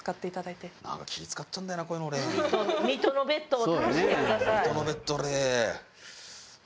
水戸のベッド俺。